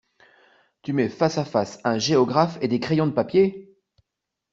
Tu mets face à face un géographe et des crayons de papier!